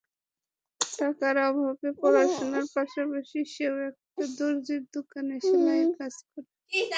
টাকার অভাবে পড়াশোনার পাশাপাশি সেও একটা দরজির দোকানে সেলাইয়ের কাজ করে।